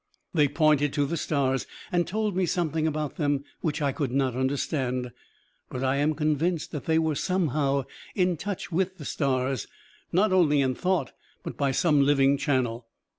They pointed to the stars and told me something about them which I could not understand, but I am convinced that they were somehow in touch with the stars, not only in thought, but by some living channel.